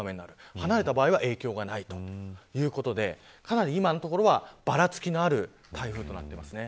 離れた場合は影響がないということでかなり今のところはばらつきのある台風となっています。